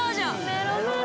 メロメロ